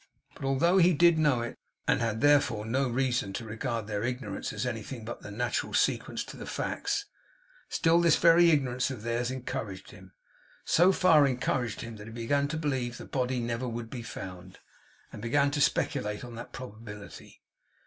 But although he did know it, and had therefore no reason to regard their ignorance as anything but the natural sequence to the facts, still this very ignorance of theirs encouraged him. So far encouraged him, that he began to believe the body never would be found, and began to speculate on that probability.